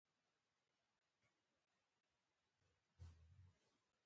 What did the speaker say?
د علم په زیور خپل ځان ښکلی کړئ.